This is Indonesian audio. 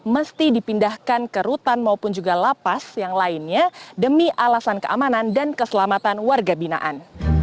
mesti dipindahkan ke rutan maupun juga lapas yang lainnya demi alasan keamanan dan keselamatan warga binaan